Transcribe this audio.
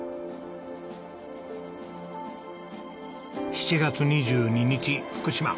７月２２日福島。